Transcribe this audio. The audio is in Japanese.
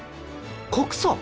告訴？